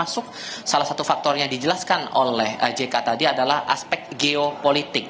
termasuk salah satu faktor yang dijelaskan oleh jk tadi adalah aspek geopolitik